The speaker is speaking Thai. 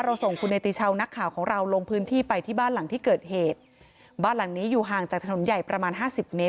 ส่งคุณเนติชาวนักข่าวของเราลงพื้นที่ไปที่บ้านหลังที่เกิดเหตุบ้านหลังนี้อยู่ห่างจากถนนใหญ่ประมาณห้าสิบเมตร